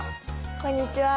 こんにちは。